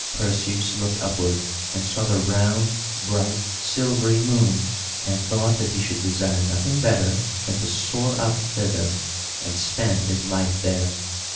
Perseus looked upward, and saw the round, bright, silvery moon, and thought that he should desire nothing better than to soar up thither, and spend his life there.